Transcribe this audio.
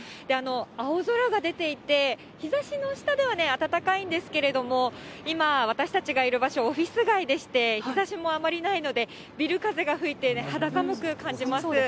青空が出ていて、日ざしの下ではね、暖かいんですけれども、今、私たちがいる場所、オフィス街でして、日ざしもあまりないので、ビル風が吹いてね、肌寒く感じます。